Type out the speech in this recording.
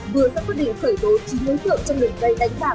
vừa đã quyết định khởi tố chính hướng tượng trong đường dây đánh bạc